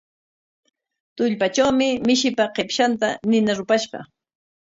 Tullpatrawmi mishipa qipshanta nina rupashqa.